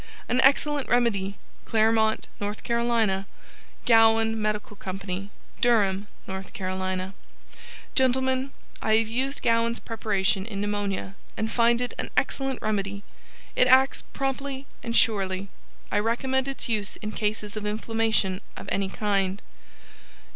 An Excellent Remedy Claremont, N. C. GOWAN MEDICAL COMPANY, Durham. N. C. Gentlemen: l have used Gowans Preparation in pneumonia and find it an excellent remedy it acts promptly and surely. I recommend its use in cases of inflammation of any kind.